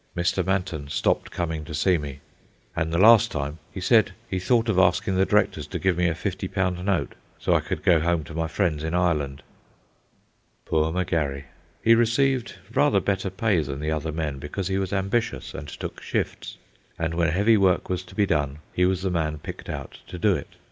. Mr. Manton stopped coming to see me; and the last time, he said he thought of asking the directors to give me a fifty pound note, so I could go home to my friends in Ireland. Poor M'Garry! He received rather better pay than the other men because he was ambitious and took shifts, and when heavy work was to be done he was the man picked out to do it.